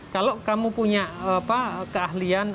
kalau kamu punya keahlian